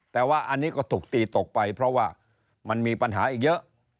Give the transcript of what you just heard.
แต่ว่าอันนี้ก็ถูกตีตกไปเพราะว่ามันมีปัญหาอีกเยอะ